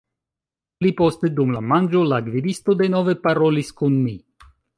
Pli poste, dum la manĝo, la gvidisto denove parolis kun mi.